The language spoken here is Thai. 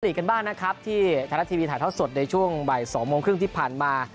กันบ้างนะครับที่ไทยรัฐทีวีถ่ายทอดสดในช่วงบ่าย๒โมงครึ่งที่ผ่านมา